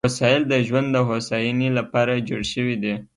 وسایل د ژوند د هوساینې لپاره جوړ شوي دي.